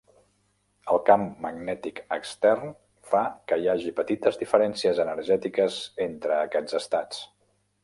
El camp magnètic extern fa que hi hagi petites diferències energètiques entre aquests estats.